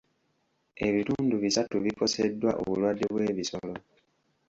Ebitundu bisatu bikoseddwa obulwadde bw'ebisolo.